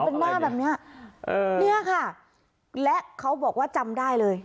เป็นหน้าแบบเนี้ยเออเนี่ยค่ะและเขาบอกว่าจำได้เลย